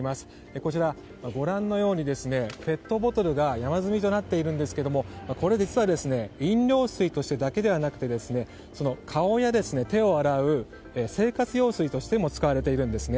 こちら、ご覧のようにペットボトルが山積みとなっているんですがこれ、実は飲料水としてだけではなくて顔や手を洗う生活用水としても使われているんですね。